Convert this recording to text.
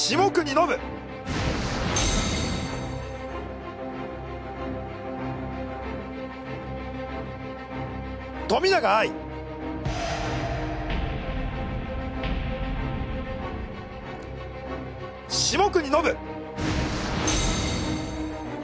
伸冨永愛下國伸